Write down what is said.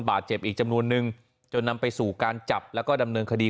บาดเจ็บอีกจำนวนนึงจนนำไปสู่การจับแล้วก็ดำเนินคดี